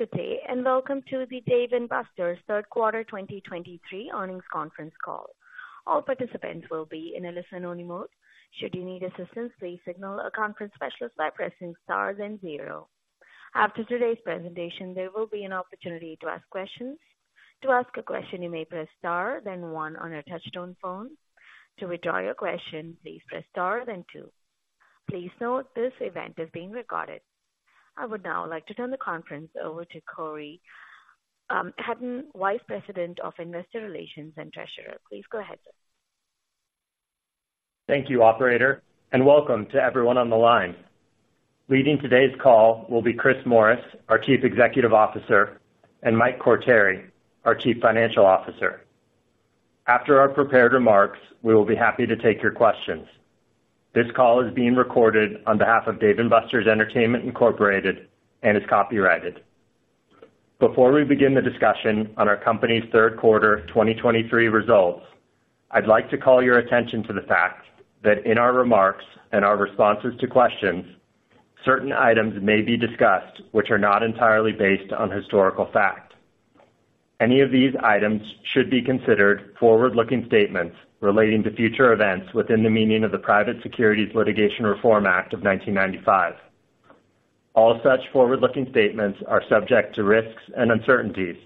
Good day, and welcome to the Dave & Buster's Third Quarter 2023 Earnings Conference Call. All participants will be in a listen-only mode. Should you need assistance, please signal a conference specialist by pressing Star then zero. After today's presentation, there will be an opportunity to ask questions. To ask a question, you may press Star, then one on your touchtone phone. To withdraw your question, please press Star, then two. Please note, this event is being recorded. I would now like to turn the conference over to Cory Hatton, Vice President of Investor Relations and Treasurer. Please go ahead, sir. Thank you, operator, and welcome to everyone on the line. Leading today's call will be Chris Morris, our Chief Executive Officer, and Mike Quartieri, our Chief Financial Officer. After our prepared remarks, we will be happy to take your questions. This call is being recorded on behalf of Dave & Buster's Entertainment, Incorporated, and is copyrighted. Before we begin the discussion on our company's third quarter 2023 results, I'd like to call your attention to the fact that in our remarks and our responses to questions, certain items may be discussed which are not entirely based on historical fact. Any of these items should be considered forward-looking statements relating to future events within the meaning of the Private Securities Litigation Reform Act of 1995. All such forward-looking statements are subject to risks and uncertainties,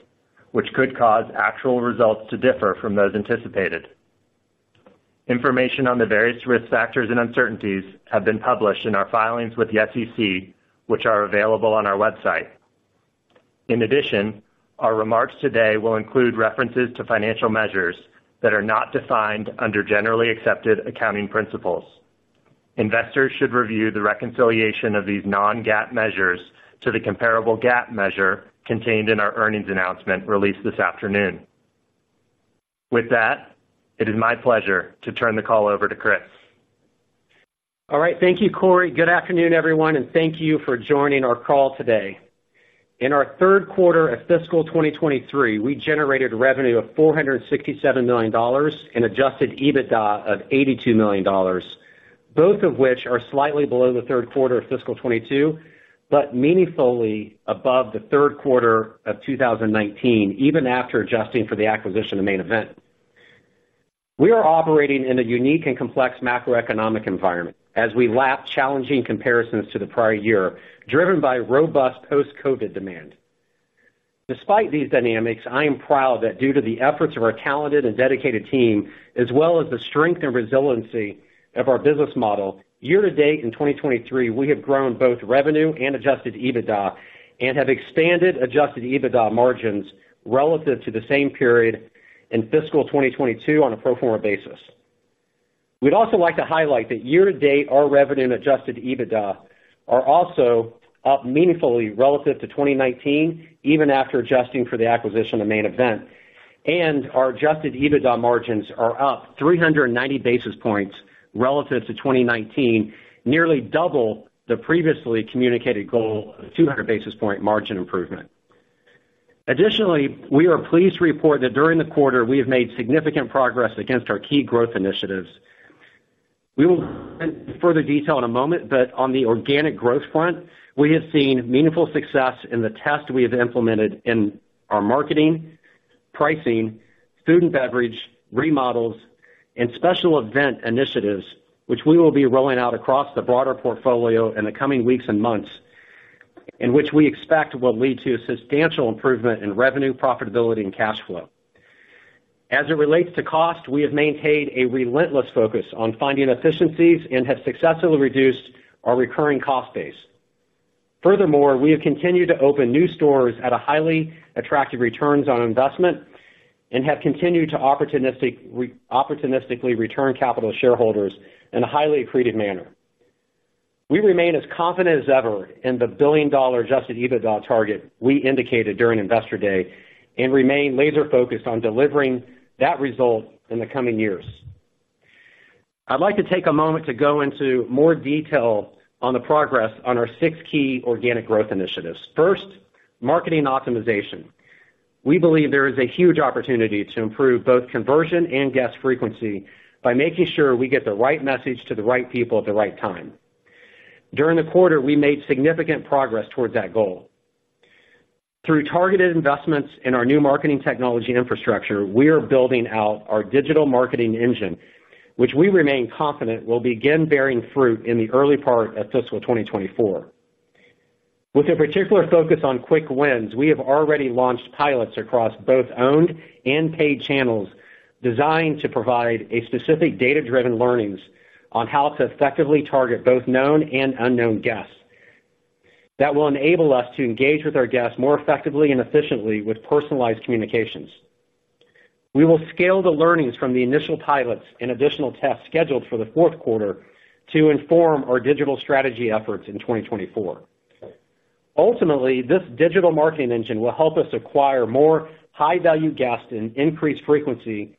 which could cause actual results to differ from those anticipated. Information on the various risk factors and uncertainties have been published in our filings with the SEC, which are available on our website. In addition, our remarks today will include references to financial measures that are not defined under generally accepted accounting principles. Investors should review the reconciliation of these non-GAAP measures to the comparable GAAP measure contained in our earnings announcement released this afternoon. With that, it is my pleasure to turn the call over to Chris. All right. Thank you, Cory. Good afternoon, everyone, and thank you for joining our call today. In our third quarter of fiscal 2023, we generated revenue of $467 million and adjusted EBITDA of $82 million, both of which are slightly below the third quarter of fiscal 2022, but meaningfully above the third quarter of 2019, even after adjusting for the acquisition of Main Event. We are operating in a unique and complex macroeconomic environment as we lap challenging comparisons to the prior year, driven by robust post-COVID demand. Despite these dynamics, I am proud that due to the efforts of our talented and dedicated team, as well as the strength and resiliency of our business model, year to date in 2023, we have grown both revenue and Adjusted EBITDA and have expanded Adjusted EBITDA margins relative to the same period in fiscal 2022 on a pro forma basis. We'd also like to highlight that year to date, our revenue and Adjusted EBITDA are also up meaningfully relative to 2019, even after adjusting for the acquisition of Main Event, and our Adjusted EBITDA margins are up 390 basis points relative to 2019, nearly double the previously communicated goal of 200 basis point margin improvement. Additionally, we are pleased to report that during the quarter, we have made significant progress against our key growth initiatives. We will go into further detail in a moment, but on the organic growth front, we have seen meaningful success in the test we have implemented in our marketing, pricing, food and beverage, remodels, and special event initiatives, which we will be rolling out across the broader portfolio in the coming weeks and months, and which we expect will lead to a substantial improvement in revenue, profitability, and cash flow. As it relates to cost, we have maintained a relentless focus on finding efficiencies and have successfully reduced our recurring cost base. Furthermore, we have continued to open new stores at a highly attractive returns on investment and have continued to opportunistically return capital to shareholders in a highly accreted manner. We remain as confident as ever in the billion-dollar Adjusted EBITDA target we indicated during Investor Day and remain laser focused on delivering that result in the coming years. I'd like to take a moment to go into more detail on the progress on our six key organic growth initiatives. First, marketing optimization. We believe there is a huge opportunity to improve both conversion and guest frequency by making sure we get the right message to the right people at the right time. During the quarter, we made significant progress towards that goal. Through targeted investments in our new marketing technology infrastructure, we are building out our digital marketing engine, which we remain confident will begin bearing fruit in the early part of fiscal 2024. With a particular focus on quick wins, we have already launched pilots across both owned and paid channels designed to provide a specific data-driven learnings on how to effectively target both known and unknown guests. That will enable us to engage with our guests more effectively and efficiently with personalized communications. We will scale the learnings from the initial pilots and additional tests scheduled for the fourth quarter to inform our digital strategy efforts in 2024. Ultimately, this digital marketing engine will help us acquire more high-value guests and increase frequency,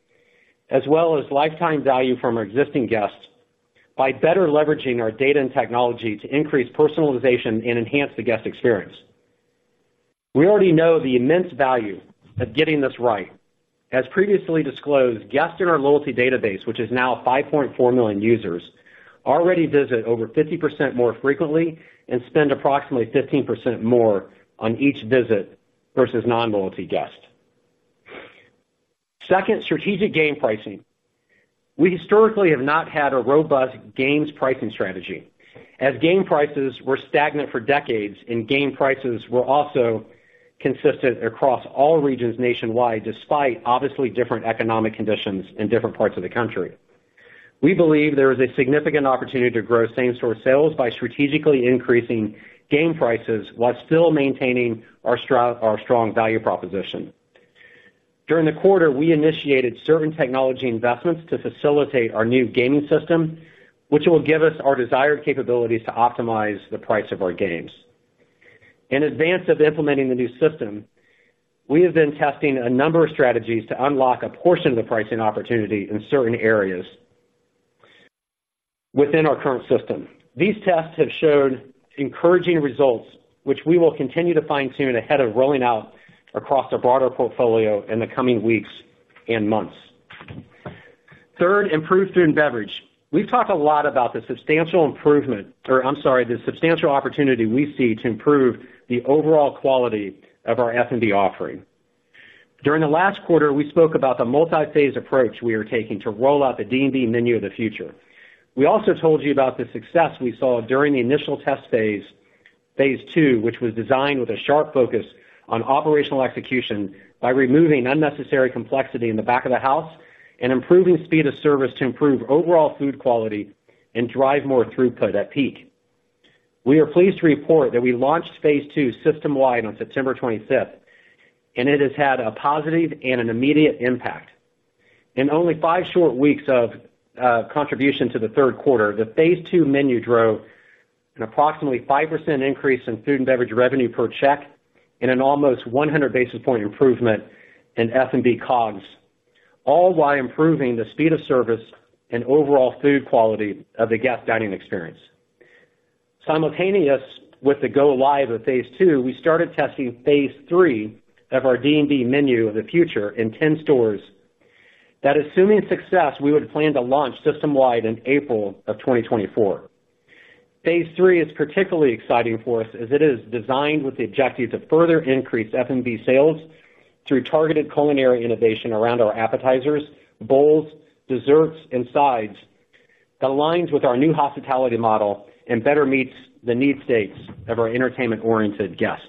as well as lifetime value from our existing guests by better leveraging our data and technology to increase personalization and enhance the guest experience. We already know the immense value of getting this right. As previously disclosed, guests in our loyalty database, which is now 5.4 million users, already visit over 50% more frequently and spend approximately 15% more on each visit versus non-loyalty guests. Second, strategic game pricing. We historically have not had a robust games pricing strategy, as game prices were stagnant for decades, and game prices were also consistent across all regions nationwide, despite obviously different economic conditions in different parts of the country. We believe there is a significant opportunity to grow same-store sales by strategically increasing game prices while still maintaining our strong, our strong value proposition. During the quarter, we initiated certain technology investments to facilitate our new gaming system, which will give us our desired capabilities to optimize the price of our games. In advance of implementing the new system, we have been testing a number of strategies to unlock a portion of the pricing opportunity in certain areas within our current system. These tests have showed encouraging results, which we will continue to fine-tune ahead of rolling out across our broader portfolio in the coming weeks and months. Third, improved food and beverage. We've talked a lot about the substantial improvement, or I'm sorry, the substantial opportunity we see to improve the overall quality of our F&B offering. During the last quarter, we spoke about the multi-phase approach we are taking to roll out the D&B menu of the future. We also told you about the success we saw during the initial test phase, phase two, which was designed with a sharp focus on operational execution by removing unnecessary complexity in the back of the house and improving speed of service to improve overall food quality and drive more throughput at peak. We are pleased to report that we launched phase two system-wide on September 25th, and it has had a positive and an immediate impact. In only 5 short weeks of contribution to the third quarter, the phase two menu drove an approximately 5% increase in food and beverage revenue per check and an almost 100 basis points improvement in F&B COGS, all while improving the speed of service and overall food quality of the guest dining experience. Simultaneous with the go-live of phase two, we started testing phase three of our D&B menu of the future in 10 stores. That, assuming success, we would plan to launch system-wide in April 2024. Phase three is particularly exciting for us as it is designed with the objective to further increase F&B sales through targeted culinary innovation around our appetizers, bowls, desserts, and sides that aligns with our new hospitality model and better meets the need states of our entertainment-oriented guests.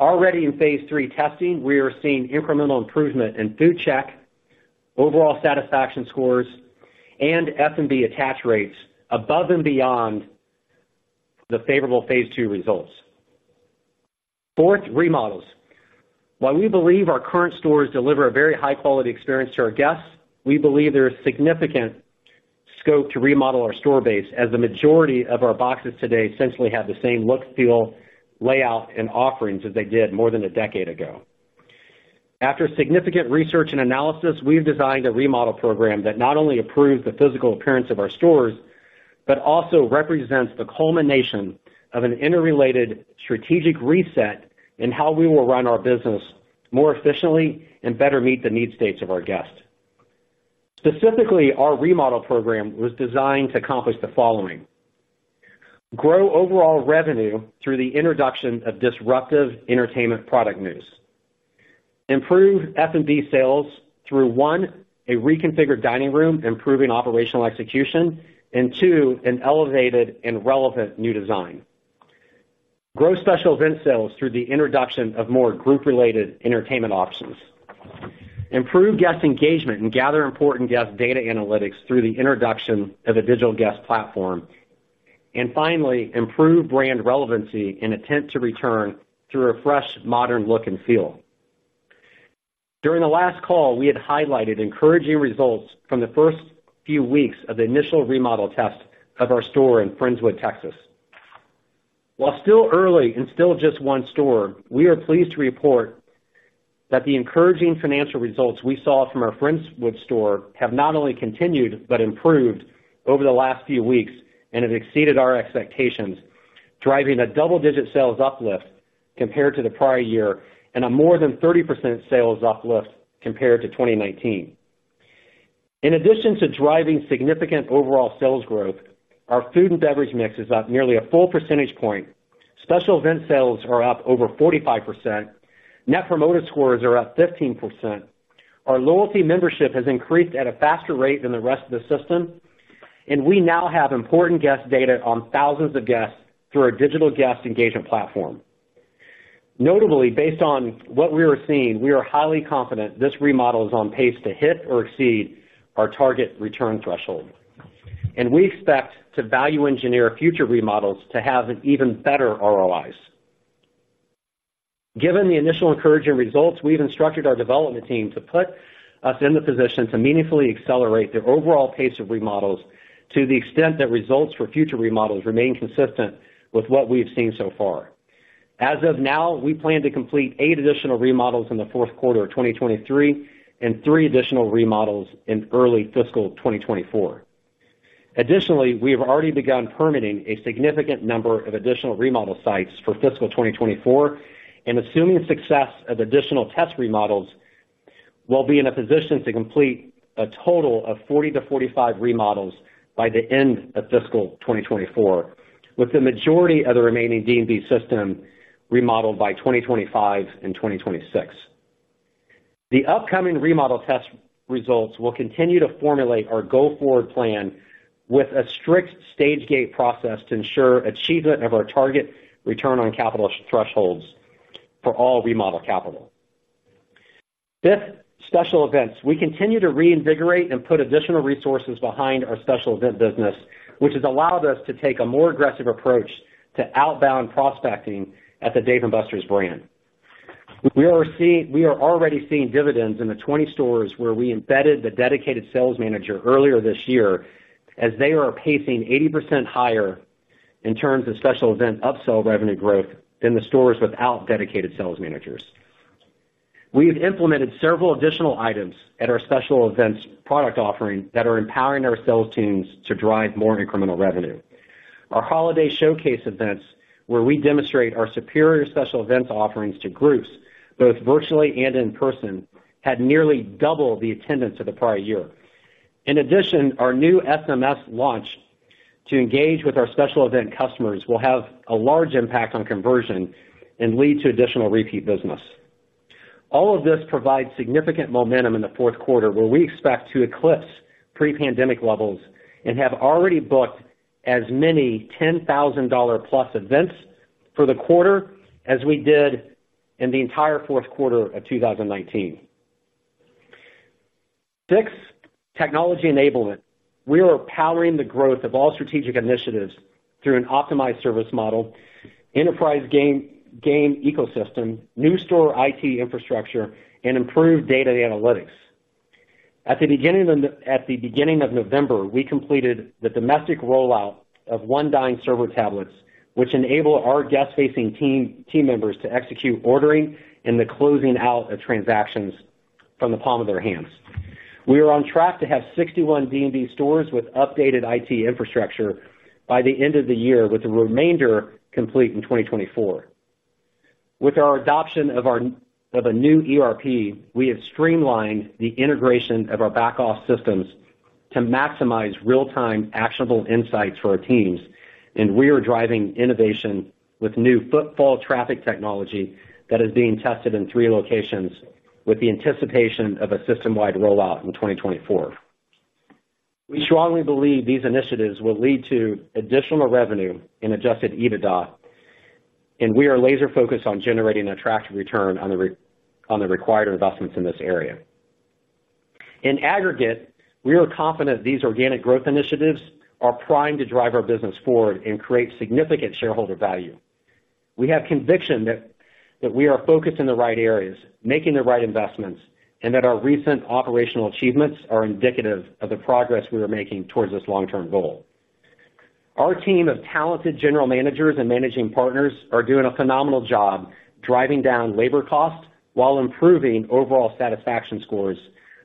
Already in phase three testing, we are seeing incremental improvement in food check, overall satisfaction scores, and F&B attach rates above and beyond the favorable phase two results. Fourth, remodels. While we believe our current stores deliver a very high-quality experience to our guests, we believe there is significant scope to remodel our store base, as the majority of our boxes today essentially have the same look, feel, layout, and offerings as they did more than a decade ago. After significant research and analysis, we've designed a remodel program that not only improves the physical appearance of our stores, but also represents the culmination of an interrelated strategic reset in how we will run our business more efficiently and better meet the need states of our guests. Specifically, our remodel program was designed to accomplish the following: grow overall revenue through the introduction of disruptive entertainment product news. Improve F&B sales through, one, a reconfigured dining room, improving operational execution, and two, an elevated and relevant new design. Grow special event sales through the introduction of more group-related entertainment options. Improve guest engagement and gather important guest data analytics through the introduction of a digital guest platform. And finally, improve brand relevancy and intent to return through a fresh, modern look and feel. During the last call, we had highlighted encouraging results from the first few weeks of the initial remodel test of our store in Friendswood, Texas. While still early and still just one store, we are pleased to report that the encouraging financial results we saw from our Friendswood store have not only continued but improved over the last few weeks and have exceeded our expectations, driving a double-digit sales uplift compared to the prior year and a more than 30% sales uplift compared to 2019. In addition to driving significant overall sales growth, our food and beverage mix is up nearly a full percentage point. Special event sales are up over 45%. Net Promoter Scores are up 15%. Our loyalty membership has increased at a faster rate than the rest of the system, and we now have important guest data on thousands of guests through our digital guest engagement platform. Notably, based on what we are seeing, we are highly confident this remodel is on pace to hit or exceed our target return threshold, and we expect to value engineer future remodels to have an even better ROIs. Given the initial encouraging results, we've instructed our development team to put us in the position to meaningfully accelerate the overall pace of remodels to the extent that results for future remodels remain consistent with what we've seen so far. As of now, we plan to complete 8 additional remodels in the fourth quarter of 2023 and 3 additional remodels in early fiscal 2024.... Additionally, we have already begun permitting a significant number of additional remodel sites for fiscal 2024, and assuming success of additional test remodels, we'll be in a position to complete a total of 40-45 remodels by the end of fiscal 2024, with the majority of the remaining D&B system remodeled by 2025 and 2026. The upcoming remodel test results will continue to formulate our go-forward plan with a strict stage gate process to ensure achievement of our target return on capital thresholds for all remodel capital. Fifth, special events. We continue to reinvigorate and put additional resources behind our special event business, which has allowed us to take a more aggressive approach to outbound prospecting at the Dave & Buster's brand. We are already seeing dividends in the 20 stores where we embedded the dedicated sales manager earlier this year, as they are pacing 80% higher in terms of special event upsell revenue growth than the stores without dedicated sales managers. We have implemented several additional items at our special events product offering that are empowering our sales teams to drive more incremental revenue. Our holiday showcase events, where we demonstrate our superior special events offerings to groups, both virtually and in person, had nearly double the attendance of the prior year. In addition, our new SMS launch to engage with our special event customers will have a large impact on conversion and lead to additional repeat business. All of this provides significant momentum in the fourth quarter, where we expect to eclipse pre-pandemic levels and have already booked as many $10,000+ events for the quarter as we did in the entire fourth quarter of 2019. Sixth, technology enablement. We are powering the growth of all strategic initiatives through an optimized service model, enterprise game, game ecosystem, new store IT infrastructure, and improved data analytics. At the beginning of November, we completed the domestic rollout of OneDine server tablets, which enable our guest-facing team members to execute ordering and the closing out of transactions from the palm of their hands. We are on track to have 61 D&B stores with updated IT infrastructure by the end of the year, with the remainder complete in 2024. With our adoption of a new ERP, we have streamlined the integration of our back-office systems to maximize real-time, actionable insights for our teams, and we are driving innovation with new footfall traffic technology that is being tested in three locations with the anticipation of a system-wide rollout in 2024. We strongly believe these initiatives will lead to additional revenue in Adjusted EBITDA, and we are laser focused on generating attractive return on the required investments in this area. In aggregate, we are confident these organic growth initiatives are primed to drive our business forward and create significant shareholder value. We have conviction that we are focused in the right areas, making the right investments, and that our recent operational achievements are indicative of the progress we are making towards this long-term goal. Our team of talented general managers and managing partners are doing a phenomenal job driving down labor costs while improving overall satisfaction scores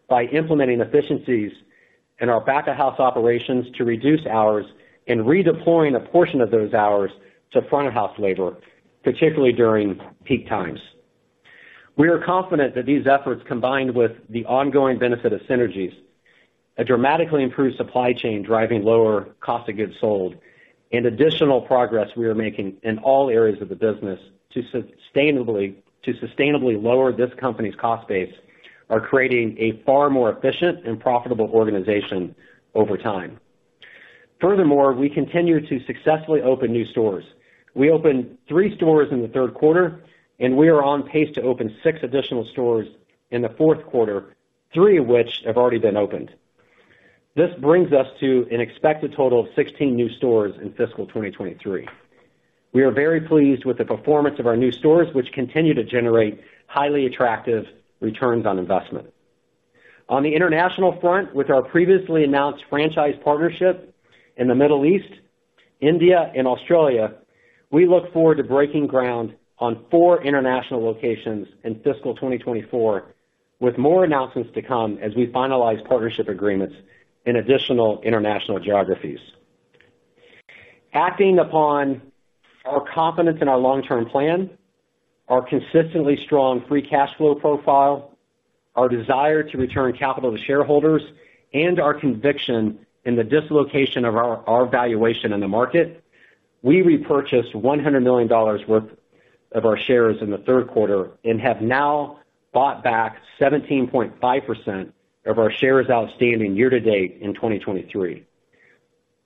by implementing efficiencies in our back-of-house operations to reduce hours and redeploying a portion of those hours to front-of-house labor, particularly during peak times. We are confident that these efforts, combined with the ongoing benefit of synergies, a dramatically improved supply chain driving lower cost of goods sold, and additional progress we are making in all areas of the business to sustainably lower this company's cost base, are creating a far more efficient and profitable organization over time. Furthermore, we continue to successfully open new stores. We opened 3 stores in the third quarter, and we are on pace to open 6 additional stores in the fourth quarter, 3 of which have already been opened. This brings us to an expected total of 16 new stores in fiscal 2023. We are very pleased with the performance of our new stores, which continue to generate highly attractive returns on investment. On the international front, with our previously announced franchise partnership in the Middle East, India and Australia, we look forward to breaking ground on 4 international locations in fiscal 2024, with more announcements to come as we finalize partnership agreements in additional international geographies. Acting upon our confidence in our long-term plan, our consistently strong free cash flow profile, our desire to return capital to shareholders, and our conviction in the dislocation of our valuation in the market, we repurchased $100 million worth of our shares in the third quarter and have now bought back 17.5% of our shares outstanding year to date in 2023.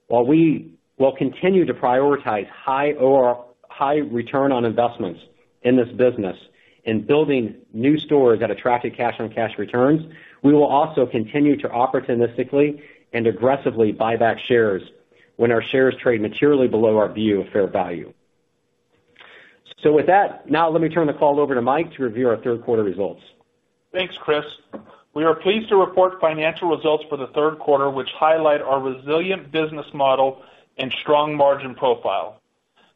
While we will continue to prioritize high return on investments in this business in building new stores that attracted cash-on-cash returns, we will also continue to opportunistically and aggressively buy back shares when our shares trade materially below our view of fair value. So with that, now let me turn the call over to Mike to review our third quarter results. Thanks, Chris. We are pleased to report financial results for the third quarter, which highlight our resilient business model and strong margin profile.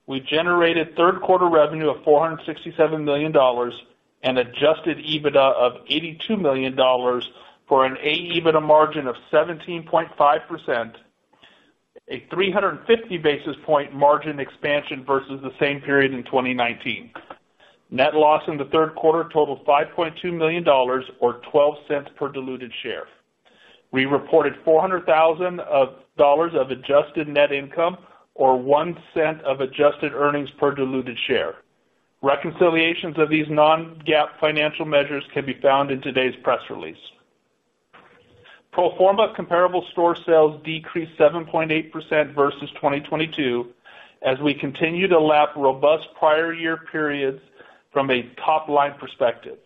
We generated third quarter revenue of $467 million and adjusted EBITDA of $82 million for an adjusted EBITDA margin of 17.5%, a 350 basis point margin expansion versus the same period in 2019. Net loss in the third quarter totaled $5.2 million or $0.12 per diluted share. We reported $400,000 of adjusted net income, or $0.01 of adjusted earnings per diluted share. Reconciliations of these non-GAAP financial measures can be found in today's press release. Pro forma comparable store sales decreased 7.8% versus 2022, as we continue to lap robust prior year periods from a top line perspective.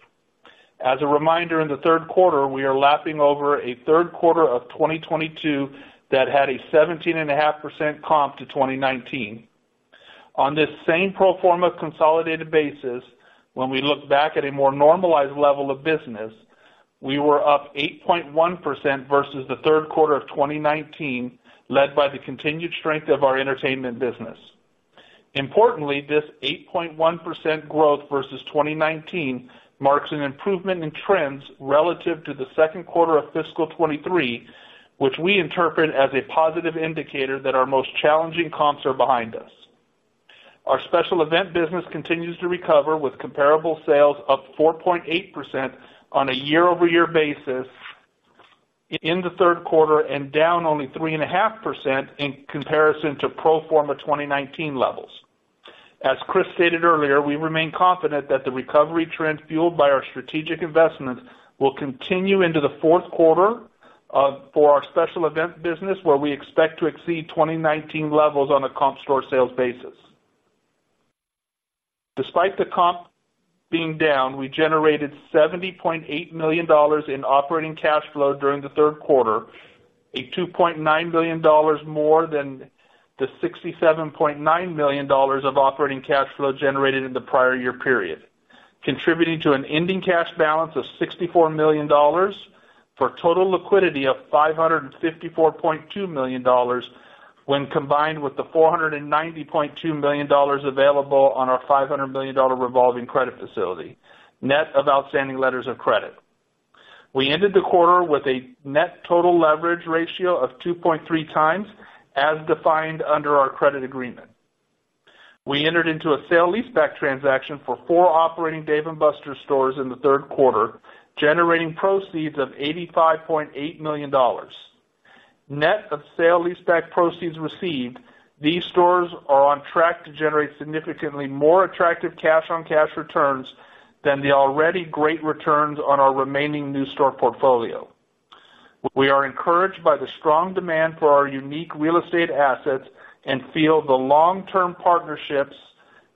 As a reminder, in the third quarter, we are lapping over a third quarter of 2022 that had a 17.5% comp to 2019. On this same pro forma consolidated basis, when we look back at a more normalized level of business, we were up 8.1% versus the third quarter of 2019, led by the continued strength of our entertainment business. Importantly, this 8.1% growth versus 2019 marks an improvement in trends relative to the second quarter of fiscal 2023, which we interpret as a positive indicator that our most challenging comps are behind us. Our special event business continues to recover, with comparable sales up 4.8% on a year-over-year basis in the third quarter and down only 3.5% in comparison to pro forma 2019 levels. As Chris stated earlier, we remain confident that the recovery trend, fueled by our strategic investments, will continue into the fourth quarter for our special event business, where we expect to exceed 2019 levels on a comp store sales basis. Despite the comp being down, we generated $70.8 million in operating cash flow during the third quarter, $2.9 million more than the $67.9 million of operating cash flow generated in the prior year period, contributing to an ending cash balance of $64 million, for total liquidity of $554.2 million, when combined with the $490.2 million available on our $500 million revolving credit facility, net of outstanding letters of credit. We ended the quarter with a net total leverage ratio of 2.3 times, as defined under our credit agreement. We entered into a sale-leaseback transaction for 4 operating Dave & Buster's stores in the third quarter, generating proceeds of $85.8 million. Net of sale-leaseback proceeds received, these stores are on track to generate significantly more attractive cash-on-cash returns than the already great returns on our remaining new store portfolio. We are encouraged by the strong demand for our unique real estate assets and feel the long-term partnerships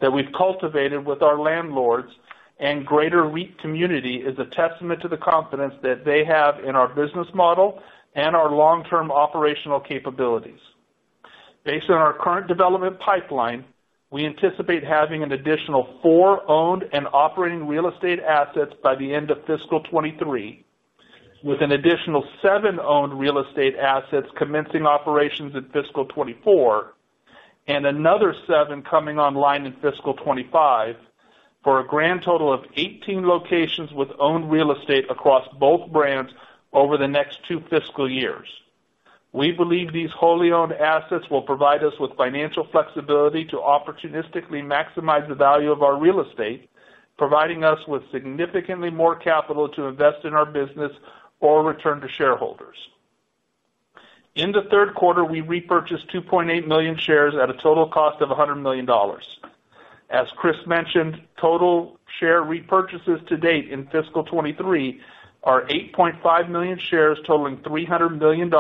that we've cultivated with our landlords and greater REIT community is a testament to the confidence that they have in our business model and our long-term operational capabilities. Based on our current development pipeline, we anticipate having an additional 4 owned and operating real estate assets by the end of fiscal 2023, with an additional 7 owned real estate assets commencing operations in fiscal 2024, and another 7 coming online in fiscal 2025, for a grand total of 18 locations with owned real estate across both brands over the next two fiscal years. We believe these wholly owned assets will provide us with financial flexibility to opportunistically maximize the value of our real estate, providing us with significantly more capital to invest in our business or return to shareholders. In the third quarter, we repurchased 2.8 million shares at a total cost of $100 million. As Chris mentioned, total share repurchases to date in fiscal 2023 are 8.5 million shares, totaling $300 million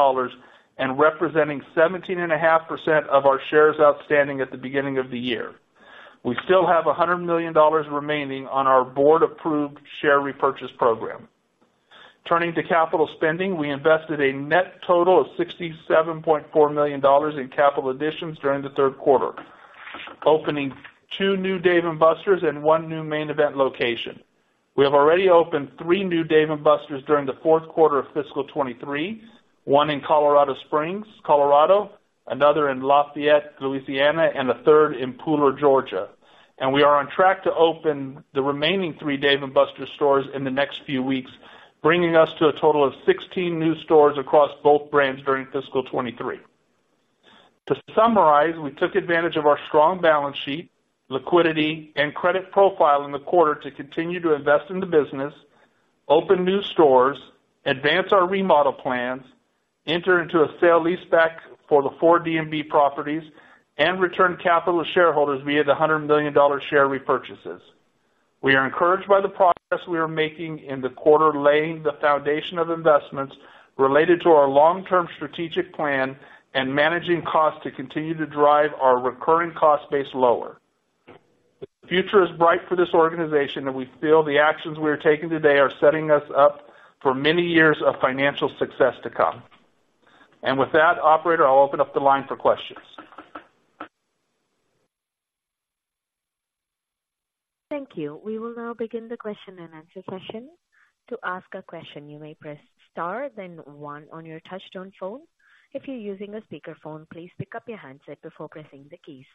and representing 17.5% of our shares outstanding at the beginning of the year. We still have $100 million remaining on our board-approved share repurchase program. Turning to capital spending, we invested a net total of $67.4 million in capital additions during the third quarter, opening 2 new Dave & Buster's and 1 new Main Event location. We have already opened 3 new Dave & Buster's during the fourth quarter of fiscal 2023, one in Colorado Springs, Colorado, another in Lafayette, Louisiana, and a third in Pooler, Georgia. We are on track to open the remaining 3 Dave & Buster's stores in the next few weeks, bringing us to a total of 16 new stores across both brands during fiscal 2023. To summarize, we took advantage of our strong balance sheet, liquidity, and credit profile in the quarter to continue to invest in the business, open new stores, advance our remodel plans, enter into a sale-leaseback for the 4 D&B properties, and return capital to shareholders via the $100 million share repurchases. We are encouraged by the progress we are making in the quarter, laying the foundation of investments related to our long-term strategic plan and managing costs to continue to drive our recurring cost base lower. The future is bright for this organization, and we feel the actions we are taking today are setting us up for many years of financial success to come. With that, operator, I'll open up the line for questions. Thank you. We will now begin the question and answer session. To ask a question, you may press star, then one on your touchtone phone. If you're using a speakerphone, please pick up your handset before pressing the keys.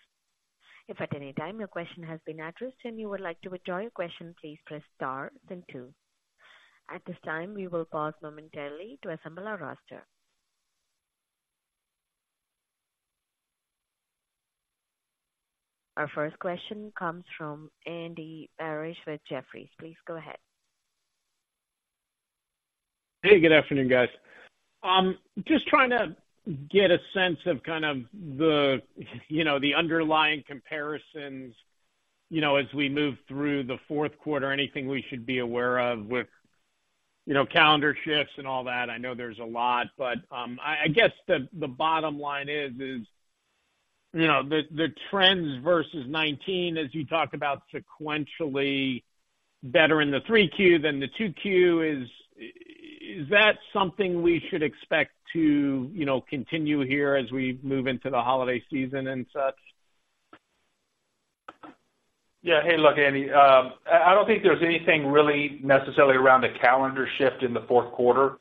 If at any time your question has been addressed and you would like to withdraw your question, please press star then two. At this time, we will pause momentarily to assemble our roster. Our first question comes from Andy Barish with Jefferies. Please go ahead. Hey, good afternoon, guys. Just trying to get a sense of kind of the, you know, the underlying comparisons, you know, as we move through the fourth quarter, anything we should be aware of with, you know, calendar shifts and all that? I know there's a lot, but, I guess the bottom line is, you know, the trends versus 2019, as you talked about sequentially better in the 3Q than the 2Q. Is that something we should expect to, you know, continue here as we move into the holiday season and such? Yeah. Hey, look, Andy, I don't think there's anything really necessarily around a calendar shift in the fourth quarter.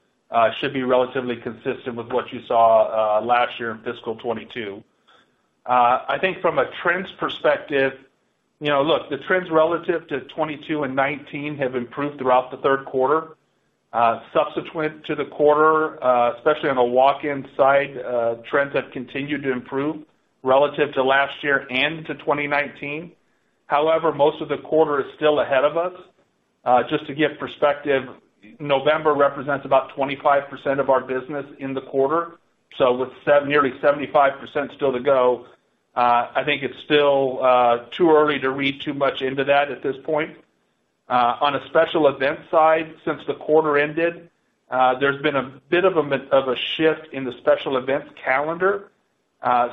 Should be relatively consistent with what you saw last year in fiscal 2022. I think from a trends perspective, you know, look, the trends relative to 2022 and 2019 have improved throughout the third quarter. Subsequent to the quarter, especially on the walk-in side, trends have continued to improve relative to last year and to 2019. However, most of the quarter is still ahead of us. Just to give perspective, November represents about 25% of our business in the quarter. So with nearly 75% still to go, I think it's still too early to read too much into that at this point. On a special event side, since the quarter ended, there's been a bit of a shift in the special events calendar.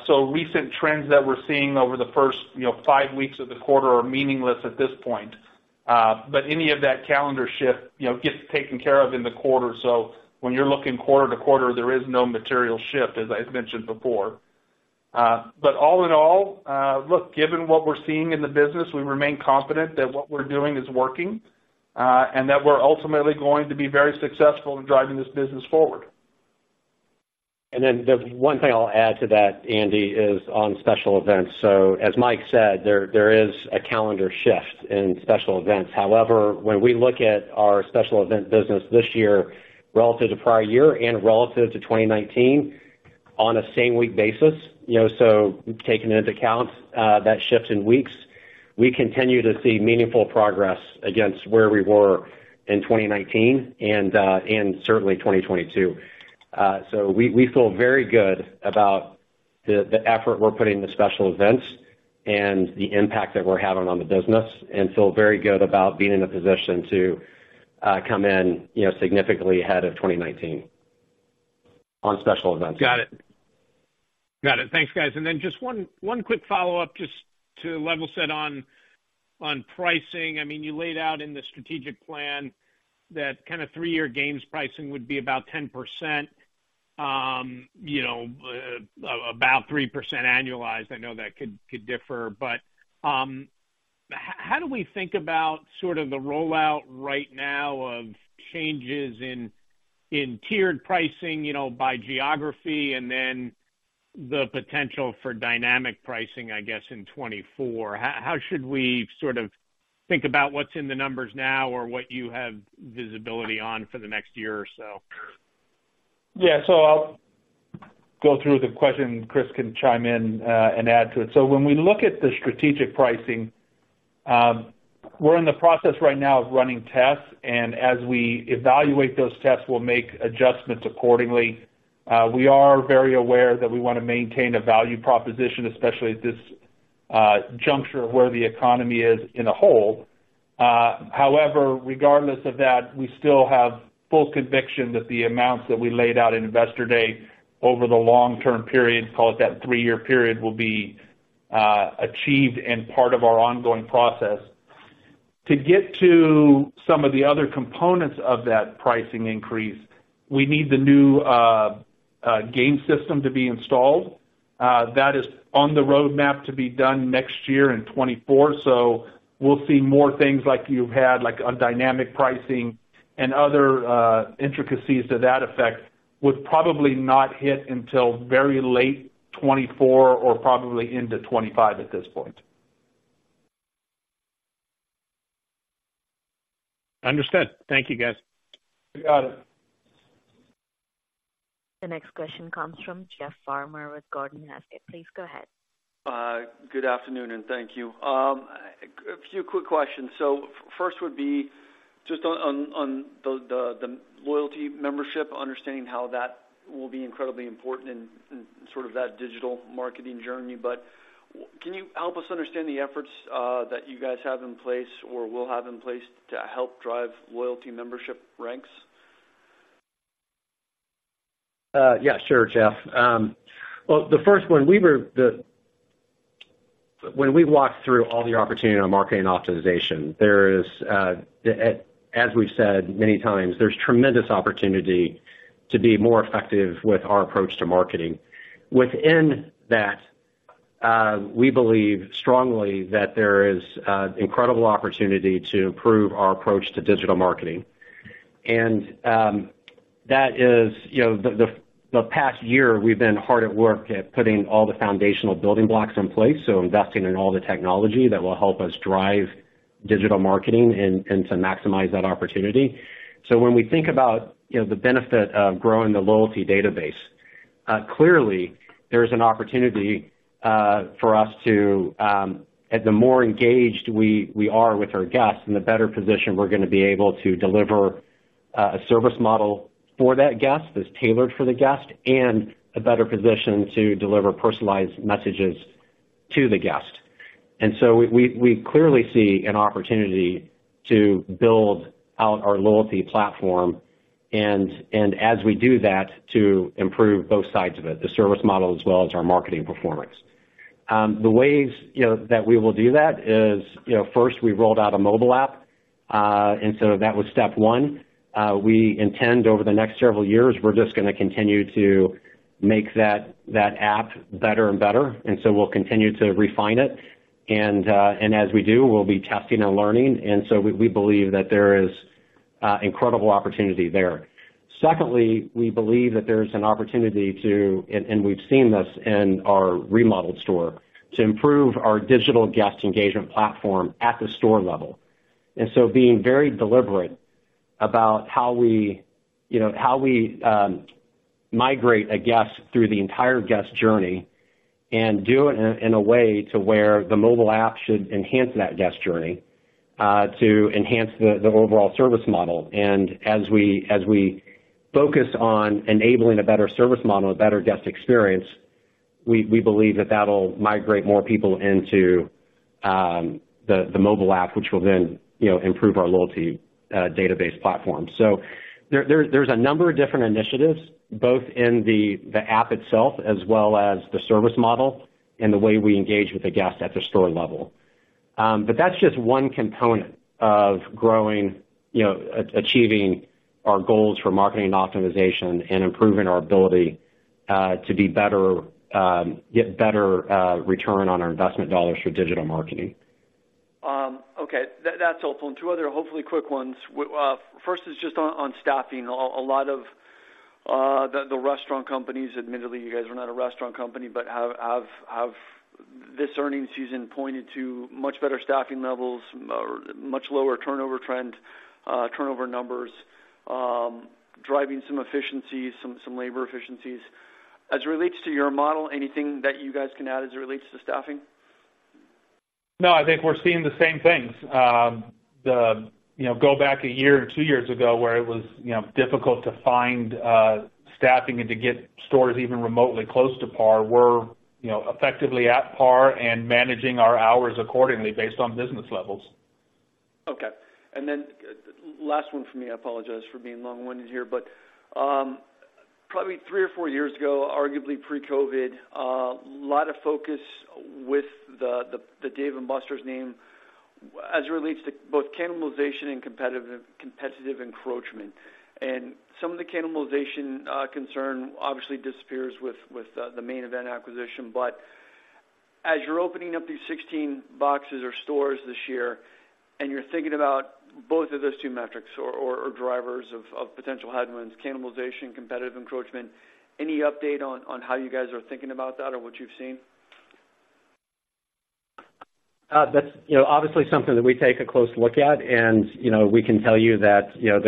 So recent trends that we're seeing over the first, you know, five weeks of the quarter are meaningless at this point. But any of that calendar shift, you know, gets taken care of in the quarter. So when you're looking quarter to quarter, there is no material shift, as I mentioned before. But all in all, look, given what we're seeing in the business, we remain confident that what we're doing is working, and that we're ultimately going to be very successful in driving this business forward. And then the one thing I'll add to that, Andy, is on special events. So as Mike said, there is a calendar shift in special events. However, when we look at our special event business this year relative to prior year and relative to 2019 on a same week basis, you know, so taking into account that shift in weeks, we continue to see meaningful progress against where we were in 2019 and and certainly 2022. So we feel very good about the effort we're putting into special events and the impact that we're having on the business, and feel very good about being in a position to come in, you know, significantly ahead of 2019 on special events. Got it. Got it. Thanks, guys. And then just one, one quick follow-up, just to level set on, on pricing. I mean, you laid out in the strategic plan that kind of three-year gains pricing would be about 10%, you know, about 3% annualized. I know that could, could differ, but, how do we think about sort of the rollout right now of changes in, in tiered pricing, you know, by geography and then the potential for dynamic pricing, I guess, in 2024? How, how should we sort of think about what's in the numbers now or what you have visibility on for the next year or so? Yeah. So I'll go through the question, Chris can chime in, and add to it. So when we look at the strategic pricing, we're in the process right now of running tests, and as we evaluate those tests, we'll make adjustments accordingly. We are very aware that we want to maintain a value proposition, especially at this juncture of where the economy is in a whole. However, regardless of that, we still have full conviction that the amounts that we laid out in Investor Day over the long-term period, call it that three-year period, will be achieved and part of our ongoing process. To get to some of the other components of that pricing increase, we need the new game system to be installed. That is on the roadmap to be done next year in 2024. We'll see more things like you've had, like on dynamic pricing and other, intricacies to that effect, would probably not hit until very late 2024 or probably into 2025 at this point. Understood. Thank you, guys. You got it. The next question comes from Jeff Farmer with Gordon Haskett. Please go ahead. Good afternoon, and thank you. A few quick questions. So first would be just on the loyalty membership, understanding how that will be incredibly important in sort of that digital marketing journey. But can you help us understand the efforts that you guys have in place or will have in place to help drive loyalty membership ranks? Yeah, sure, Jeff. Well, when we walked through all the opportunity on marketing optimization, there is, as we've said many times, there's tremendous opportunity to be more effective with our approach to marketing. Within that, we believe strongly that there is incredible opportunity to improve our approach to digital marketing. And that is, you know, the past year, we've been hard at work at putting all the foundational building blocks in place, so investing in all the technology that will help us drive digital marketing and to maximize that opportunity. So when we think about, you know, the benefit of growing the loyalty database, clearly there's an opportunity for us to, and the more engaged we are with our guests and the better position we're gonna be able to deliver a service model for that guest that's tailored for the guest, and a better position to deliver personalized messages to the guest. And so we clearly see an opportunity to build out our loyalty platform, and as we do that, to improve both sides of it, the service model, as well as our marketing performance. The ways, you know, that we will do that is, you know, first, we rolled out a mobile app, and so that was step one. We intend over the next several years, we're just gonna continue to make that, that app better and better, and so we'll continue to refine it. And, and as we do, we'll be testing and learning, and so we, we believe that there is incredible opportunity there. Secondly, we believe that there's an opportunity to, and, and we've seen this in our remodeled store, to improve our digital guest engagement platform at the store level. And so being very deliberate about how we, you know, how we, migrate a guest through the entire guest journey and do it in, in a way to where the mobile app should enhance that guest journey, to enhance the, the overall service model. As we focus on enabling a better service model, a better guest experience, we believe that that'll migrate more people into the mobile app, which will then, you know, improve our loyalty database platform. So there's a number of different initiatives, both in the app itself as well as the service model and the way we engage with the guests at the store level. But that's just one component of growing, you know, achieving our goals for marketing optimization and improving our ability to get better return on our investment dollars for digital marketing. Okay, that, that's helpful. And two other, hopefully, quick ones. First is just on staffing. A lot of the restaurant companies, admittedly, you guys are not a restaurant company, but have this earnings season pointed to much better staffing levels, or much lower turnover trend, turnover numbers, driving some efficiencies, some labor efficiencies. As it relates to your model, anything that you guys can add as it relates to staffing? No, I think we're seeing the same things. You know, go back a year or two years ago, where it was, you know, difficult to find staffing and to get stores even remotely close to par. We're, you know, effectively at par and managing our hours accordingly based on business levels. Okay. And then last one for me. I apologize for being long-winded here, but probably three or four years ago, arguably pre-COVID, a lot of focus with the Dave & Buster's name as it relates to both cannibalization and competitive encroachment. And some of the cannibalization concern obviously disappears with the Main Event acquisition. But as you're opening up these 16 boxes or stores this year, and you're thinking about both of those two metrics or drivers of potential headwinds, cannibalization, competitive encroachment, any update on how you guys are thinking about that or what you've seen? That's, you know, obviously something that we take a close look at. And, you know, we can tell you that, you know,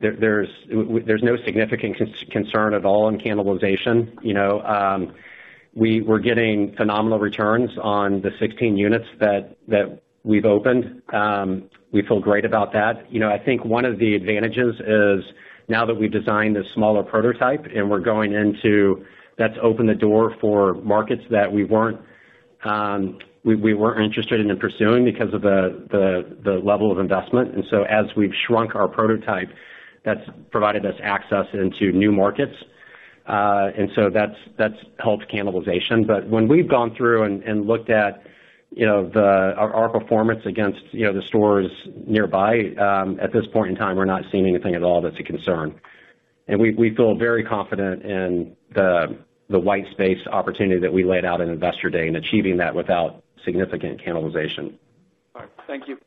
there's no significant concern at all in cannibalization. You know, we're getting phenomenal returns on the 16 units that we've opened. We feel great about that. You know, I think one of the advantages is, now that we've designed a smaller prototype and we're going into-- that's opened the door for markets that we weren't, we weren't interested in pursuing because of the level of investment. And so as we've shrunk our prototype, that's provided us access into new markets. And so that's helped cannibalization. But when we've gone through and looked at, you know, our performance against, you know, the stores nearby, at this point in time, we're not seeing anything at all that's a concern. And we feel very confident in the white space opportunity that we laid out in Investor Day and achieving that without significant cannibalization. All right. Thank you.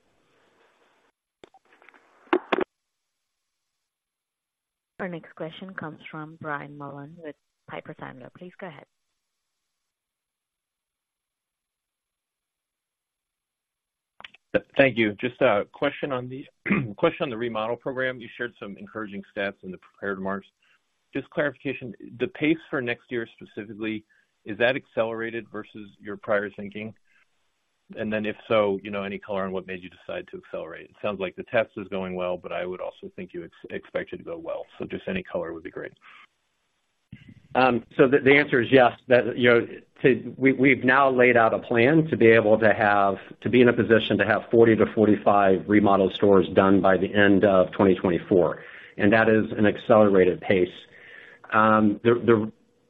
Our next question comes from Brian Mullan with Piper Sandler. Please go ahead. Thank you. Just a question on the remodel program. You shared some encouraging stats in the prepared remarks. Just clarification, the pace for next year specifically, is that accelerated versus your prior thinking? And then, if so, you know, any color on what made you decide to accelerate? It sounds like the test is going well, but I would also think you expect it to go well. So just any color would be great. So the answer is yes. You know, we've now laid out a plan to be able to have to be in a position to have 40-45 remodeled stores done by the end of 2024, and that is an accelerated pace.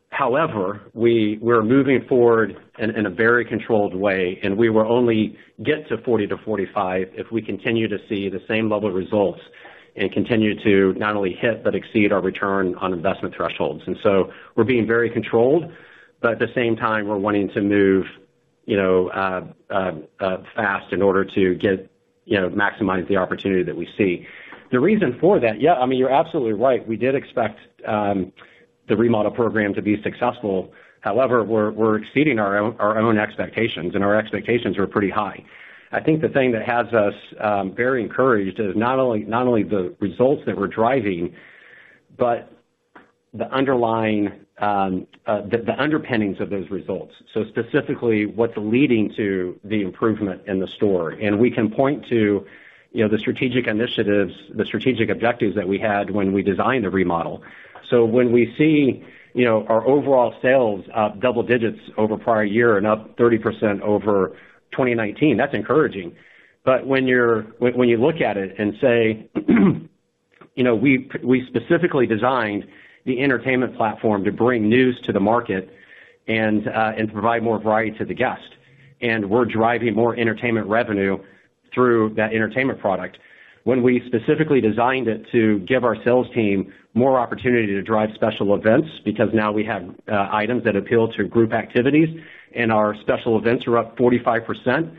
However, we're moving forward in a very controlled way, and we will only get to 40-45 if we continue to see the same level of results and continue to not only hit but exceed our return on investment thresholds. So we're being very controlled, but at the same time, we're wanting to move, you know, fast in order to get, you know, maximize the opportunity that we see. The reason for that, yeah, I mean, you're absolutely right. We did expect the remodel program to be successful. However, we're exceeding our own expectations, and our expectations are pretty high. I think the thing that has us very encouraged is not only the results that we're driving, but the underlying underpinnings of those results, so specifically, what's leading to the improvement in the store. And we can point to, you know, the strategic initiatives, the strategic objectives that we had when we designed the remodel. So when we see, you know, our overall sales up double digits over prior year and up 30% over 2019, that's encouraging. But when you look at it and say, you know, we specifically designed the entertainment platform to bring news to the market and provide more variety to the guest. And we're driving more entertainment revenue through that entertainment product. When we specifically designed it to give our sales team more opportunity to drive special events, because now we have items that appeal to group activities, and our special events are up 45%,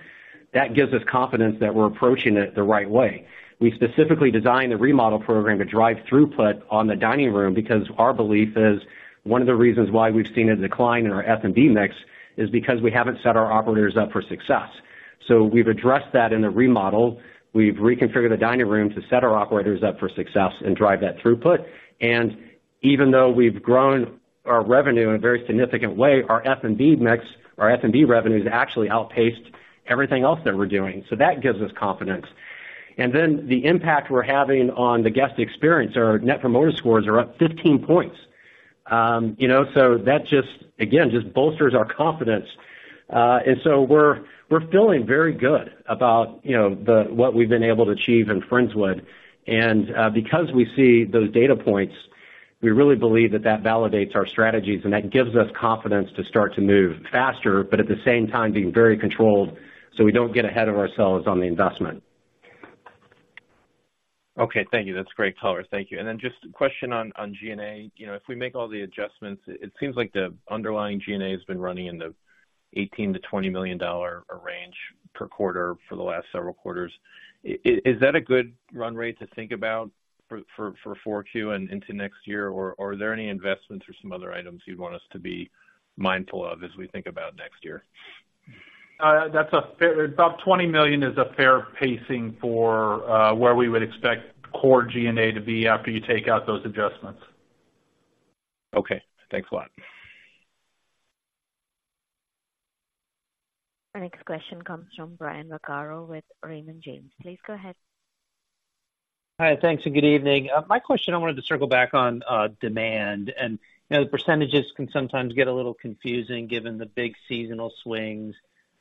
that gives us confidence that we're approaching it the right way. We specifically designed the remodel program to drive throughput on the dining room because our belief is, one of the reasons why we've seen a decline in our F&B mix is because we haven't set our operators up for success. So we've addressed that in the remodel. We've reconfigured the dining room to set our operators up for success and drive that throughput. And even though we've grown our revenue in a very significant way, our F&B mix, our F&B revenues actually outpaced everything else that we're doing. So that gives us confidence. And then the impact we're having on the guest experience, our Net Promoter Scores are up 15 points. You know, so that just, again, just bolsters our confidence. And so we're feeling very good about, you know, the what we've been able to achieve in Friendswood. Because we see those data points, we really believe that that validates our strategies, and that gives us confidence to start to move faster, but at the same time being very controlled, so we don't get ahead of ourselves on the investment. Okay, thank you. That's great color. Thank you. And then just a question on G&A. You know, if we make all the adjustments, it seems like the underlying G&A has been running in the $18 million-$20 million range per quarter for the last several quarters. Is that a good run rate to think about for 4Q and into next year, or are there any investments or some other items you'd want us to be mindful of as we think about next year? About $20 million is a fair pacing for where we would expect core G&A to be after you take out those adjustments. Okay. Thanks a lot. Our next question comes from Brian Vaccaro with Raymond James. Please go ahead. Hi, thanks, and good evening. My question, I wanted to circle back on, demand, and, you know, the percentages can sometimes get a little confusing, given the big seasonal swings.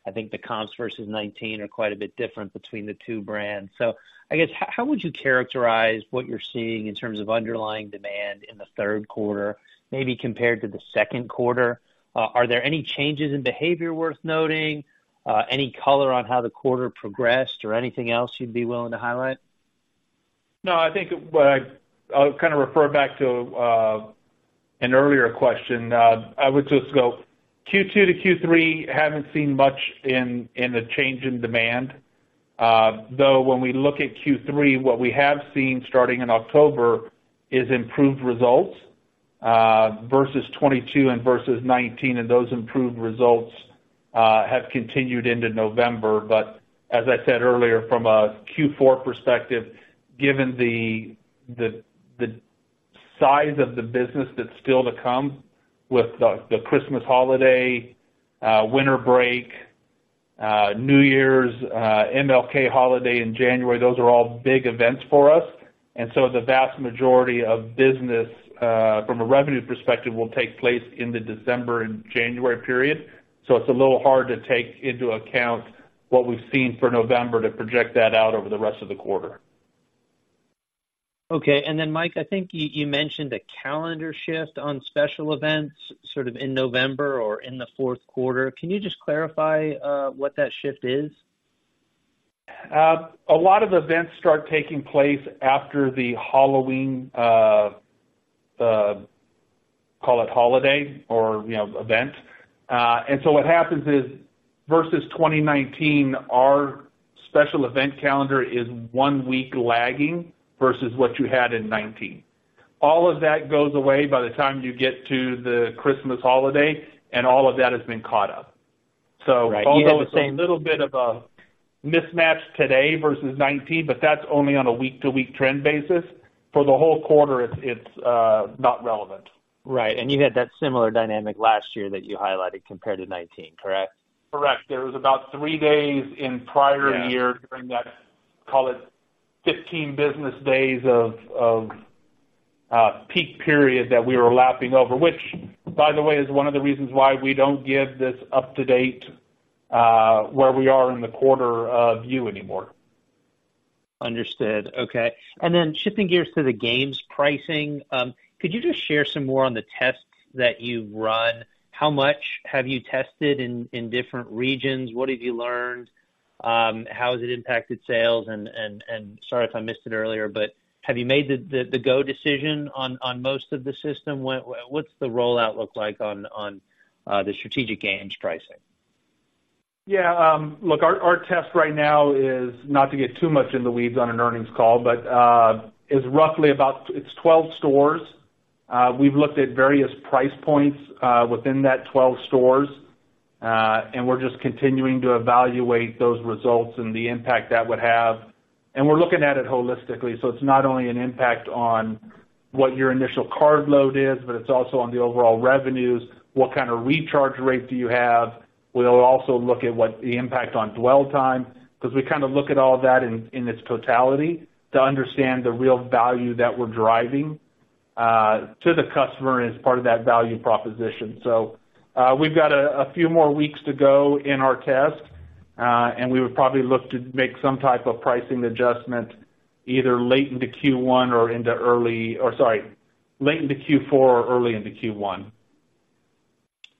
I think the comps versus 2019 are quite a bit different between the two brands. So I guess, how would you characterize what you're seeing in terms of underlying demand in the third quarter, maybe compared to the second quarter? Are there any changes in behavior worth noting, any color on how the quarter progressed or anything else you'd be willing to highlight? No, I think what I'll kind of refer back to an earlier question. I would just go Q2 to Q3, haven't seen much in the change in demand. Though, when we look at Q3, what we have seen starting in October is improved results versus 22 and versus 19, and those improved results have continued into November. But as I said earlier, from a Q4 perspective, given the size of the business that's still to come with the Christmas holiday, winter break, New Year's, MLK holiday in January, those are all big events for us. And so the vast majority of business from a revenue perspective will take place in the December and January period. So it's a little hard to take into account what we've seen for November to project that out over the rest of the quarter. Okay. And then, Mike, I think you mentioned a calendar shift on special events, sort of in November or in the fourth quarter. Can you just clarify what that shift is? A lot of events start taking place after the Halloween, call it holiday or, you know, event. And so what happens is, versus 2019, our special event calendar is one week lagging versus what you had in 2019. All of that goes away by the time you get to the Christmas holiday, and all of that has been caught up. Right. So although it's a little bit of a mismatch today versus 19, but that's only on a week-to-week trend basis. For the whole quarter, it's not relevant. Right. You had that similar dynamic last year that you highlighted compared to 2019, correct? Correct. There was about 3 days in prior years- Yeah during that, call it 15 business days of peak period that we were lapping over, which, by the way, is one of the reasons why we don't give this up-to-date where we are in the quarter view anymore. Understood. Okay. And then shifting gears to the games pricing, could you just share some more on the tests that you've run? How much have you tested in different regions? What have you learned? How has it impacted sales? And sorry if I missed it earlier, but have you made the go decision on most of the system? What's the rollout look like on the strategic games pricing? Yeah, look, our, our test right now is not to get too much in the weeds on an earnings call, but, is roughly about—it's 12 stores. We've looked at various price points within that 12 stores, and we're just continuing to evaluate those results and the impact that would have. And we're looking at it holistically. So it's not only an impact on what your initial card load is, but it's also on the overall revenues. What kind of recharge rate do you have? We'll also look at what the impact on dwell time, 'cause we kind of look at all that in, in its totality, to understand the real value that we're driving to the customer as part of that value proposition. So, we've got a few more weeks to go in our test, and we would probably look to make some type of pricing adjustment either late into Q1 or into early, or sorry, late into Q4 or early into Q1.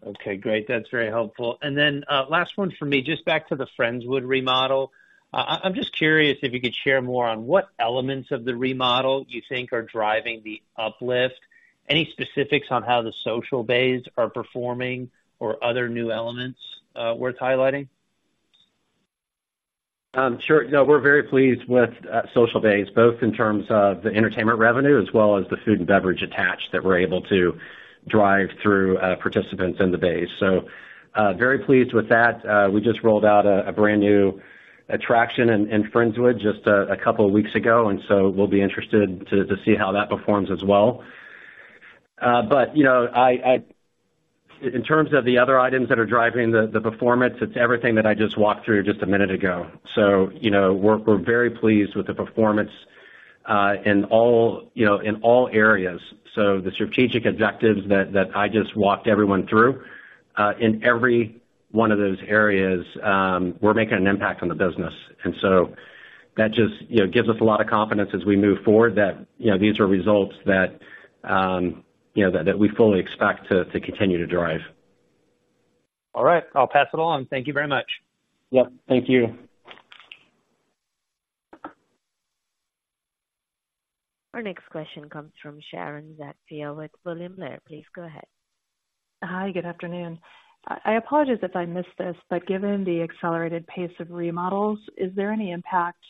Okay, great. That's very helpful. And then, last one for me, just back to the Friendswood remodel. I'm just curious if you could share more on what elements of the remodel you think are driving the uplift. Any specifics on how the social bays are performing or other new elements, worth highlighting? Sure. No, we're very pleased with social bays, both in terms of the entertainment revenue as well as the food and beverage attached that we're able to drive through participants in the bays. So, very pleased with that. We just rolled out a brand new attraction in Friendswood just a couple of weeks ago, and so we'll be interested to see how that performs as well. But, you know, in terms of the other items that are driving the performance, it's everything that I just walked through just a minute ago. So, you know, we're very pleased with the performance in all areas. So the strategic objectives that I just walked everyone through in every one of those areas, we're making an impact on the business. So that just, you know, gives us a lot of confidence as we move forward, that you know, these are results that you know, that we fully expect to continue to drive. All right, I'll pass it along. Thank you very much. Yep, thank you. Our next question comes from Sharon Zackfia with William Blair. Please go ahead. Hi, good afternoon. I apologize if I missed this, but given the accelerated pace of remodels, is there any impact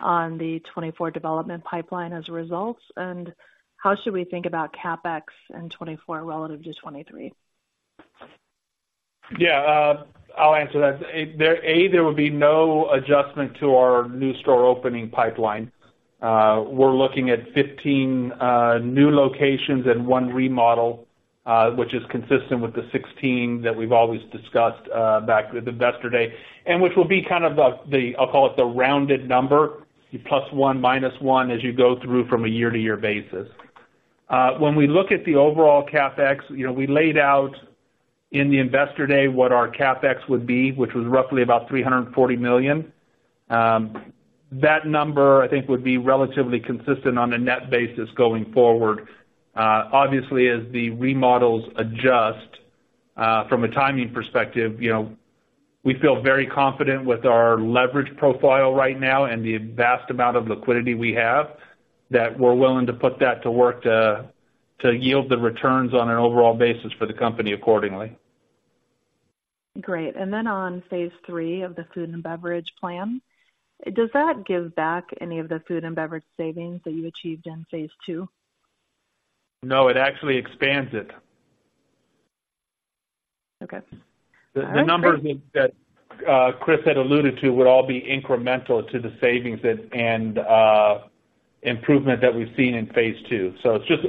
on the 2024 development pipeline as a result? And how should we think about CapEx in 2024 relative to 2023? Yeah, I'll answer that. There will be no adjustment to our new store opening pipeline. We're looking at 15 new locations and one remodel, which is consistent with the 16 that we've always discussed back at the Investor Day, and which will be kind of the, I'll call it, the rounded number, plus one, minus one, as you go through from a year-to-year basis. When we look at the overall CapEx, you know, we laid out in the Investor Day what our CapEx would be, which was roughly about $340 million. That number, I think, would be relatively consistent on a net basis going forward. Obviously, as the remodels adjust, from a timing perspective, you know, we feel very confident with our leverage profile right now and the vast amount of liquidity we have, that we're willing to put that to work to, to yield the returns on an overall basis for the company accordingly. Great. Then on phase three of the food and beverage plan, does that give back any of the food and beverage savings that you achieved in phase two? No, it actually expands it. Okay. The numbers that Chris had alluded to would all be incremental to the savings and improvement that we've seen in phase two. So it's just...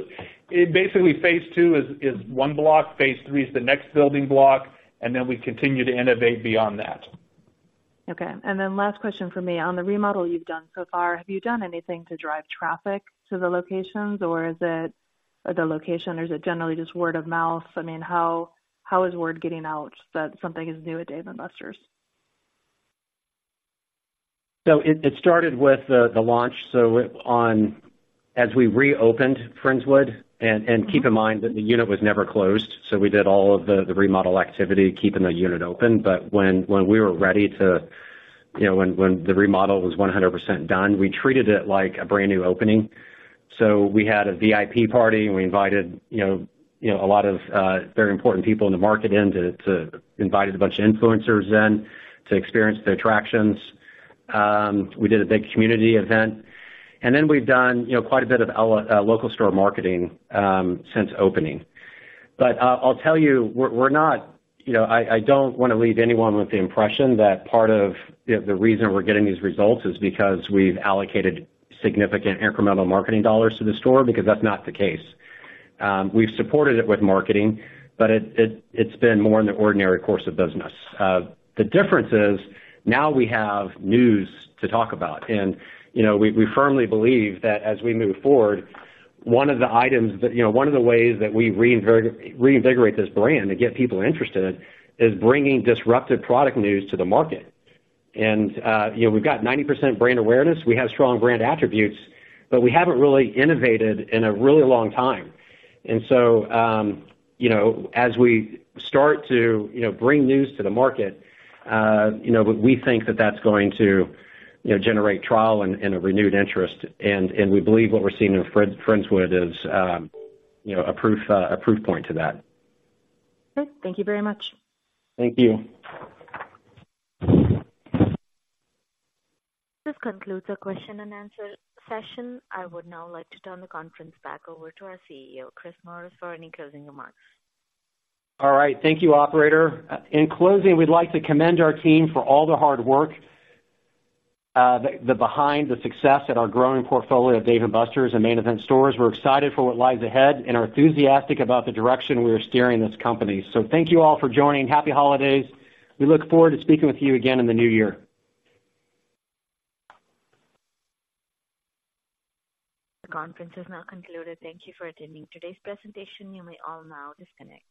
It basically, phase two is one block, phase three is the next building block, and then we continue to innovate beyond that. Okay. And then last question for me. On the remodel you've done so far, have you done anything to drive traffic to the locations, or is it, the location, or is it generally just word of mouth? I mean, how is word getting out that something is new at Dave & Buster's? It started with the launch, so on as we reopened Friendswood, and keep in mind that the unit was never closed. So we did all of the remodel activity, keeping the unit open. But when we were ready to, you know, when the remodel was 100% done, we treated it like a brand-new opening. So we had a VIP party. We invited, you know, a lot of very important people in the market to invite a bunch of influencers in to experience the attractions. We did a big community event, and then we've done, you know, quite a bit of local store marketing since opening. But, I'll tell you, we're not, you know, I don't want to leave anyone with the impression that part of, you know, the reason we're getting these results is because we've allocated significant incremental marketing dollars to the store, because that's not the case. We've supported it with marketing, but it's been more in the ordinary course of business. The difference is, now we have news to talk about and, you know, we firmly believe that as we move forward, one of the items that, you know, one of the ways that we reinvigorate this brand to get people interested in, is bringing disruptive product news to the market. And, you know, we've got 90% brand awareness. We have strong brand attributes, but we haven't really innovated in a really long time. And so, you know, as we start to, you know, bring news to the market, you know, we think that that's going to, you know, generate trial and a renewed interest. And we believe what we're seeing in Friendswood is, you know, a proof point to that. Okay. Thank you very much. Thank you. This concludes the question and answer session. I would now like to turn the conference back over to our CEO, Chris Morris, for any closing remarks. All right. Thank you, operator. In closing, we'd like to commend our team for all the hard work behind the success at our growing portfolio of Dave & Buster's and Main Event stores. We're excited for what lies ahead and are enthusiastic about the direction we are steering this company. So thank you all for joining. Happy holidays. We look forward to speaking with you again in the new year. The conference is now concluded. Thank you for attending today's presentation. You may all now disconnect.